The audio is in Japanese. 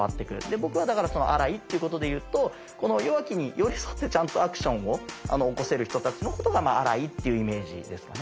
僕はだからアライっていうことで言うとこの弱きに寄り添ってちゃんとアクションを起こせる人たちのことがアライっていうイメージですかね。